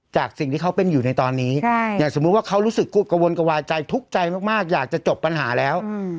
จากคือเค้าเป็นอยู่ในตอนนี้อย่าเสมอว่าเขารู้สึกกุฎกวนกวายใจทุกข์ใจมากอยากจะจบปัญหาแล้ว